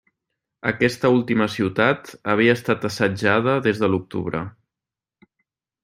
Aquesta última ciutat havia estat assetjada des de l'octubre.